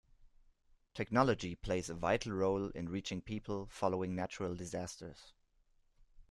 Technology plays a vital role in reaching people following natural disasters.